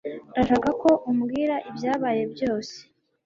Ndashaka ko umbwira ibyabaye byose.